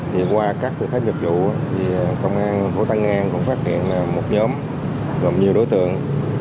vừa qua các thực pháp nhập vụ công an thành phố tân an cũng phát hiện một nhóm gồm nhiều đối tượng